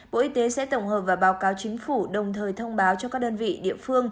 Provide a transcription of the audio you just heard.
bộ y tế sẽ tổng hợp và báo cáo chính phủ đồng thời thông báo cho các đơn vị địa phương